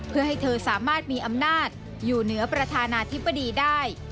เพื่อให้เธอสามารถมีอำนาจอยู่เหนือประธานาธิบดีได้